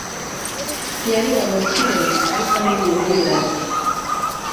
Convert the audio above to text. yari umukire, ariko ntiyigeze yirata